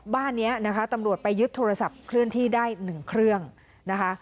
บ้านนี้นะคะตำรวจไปยึดโทรศัพท์เคลื่อนที่ได้๑เครื่องนะคะ